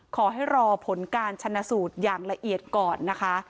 ขอให้รอผลการชนะสูตรอย่างละเอียดก่อนนะคะ